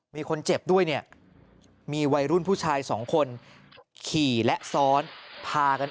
มีคนเจ็บด้วยเนี่ยมีวัยรุ่นผู้ชายสองคนขี่และซ้อนพากัน